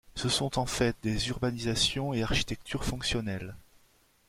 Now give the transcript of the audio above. Ce sont en fait des urbanisations et architecture fonctionnelles.